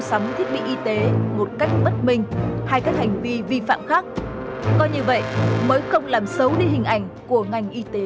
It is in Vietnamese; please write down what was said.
sắm thiết bị y tế một cách bất minh hay các hành vi vi phạm khác coi như vậy mới không làm xấu đi hình